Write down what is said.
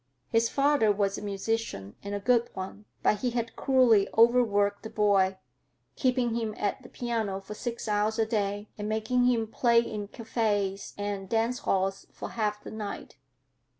His father was a musician and a good one, but he had cruelly over worked the boy; keeping him at the piano for six hours a day and making him play in cafes and dance halls for half the night.